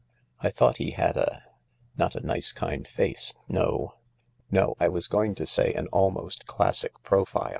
" I thought he had a "" Not a nice, kind face ! No " "No. I was going to say an almost classic profile.